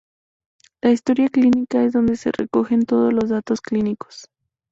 La historia clínica es donde se recogen todos los datos clínicos.